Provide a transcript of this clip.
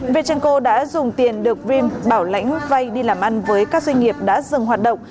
viettenco đã dùng tiền được vinm bảo lãnh vay đi làm ăn với các doanh nghiệp đã dừng hoạt động